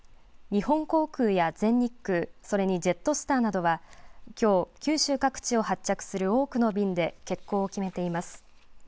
日本航空や全日空、それにジェットスターなどは、きょう、九州各地を発着する多くの便で欠航を決めています。